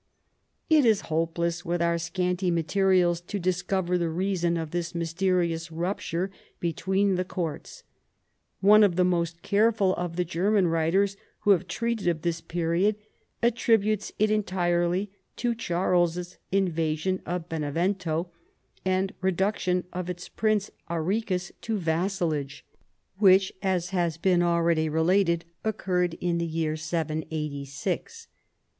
It is hopeless with our scanty materials to dis cover the reason of this mysterious rupture be tween the Courts, One of the most careful of the German writers who have treated of this period attributes it entirely to Charles's invasion of Bene vento and reduction of its prince Arichis to vassalage, which, as has been already related, occurred in the RELATIONS WITH THE EAST. 221) year 786.